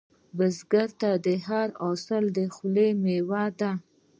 بزګر ته هر حاصل د خولې میوه ده